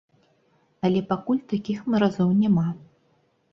Але пакуль такіх маразоў няма.